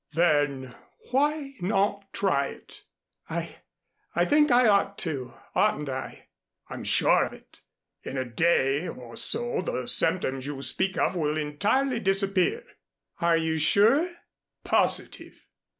"Then why not try it?" "I I think I ought to, oughtn't I?" "I'm sure of it. In a day or so the symptoms you speak of will entirely disappear." "Are you sure?" "Positive."